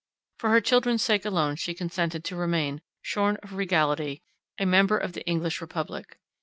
For her children's sake alone she consented to remain, shorn of regality, a member of the English republic.